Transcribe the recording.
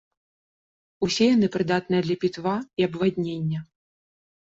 Усе яны прыдатныя для пітва і абваднення.